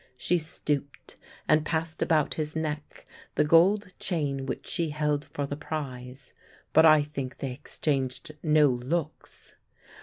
She stooped and passed about his neck the gold chain which she held for the prize; but I think they exchanged no looks.